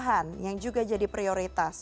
ada pencegahan yang juga jadi prioritas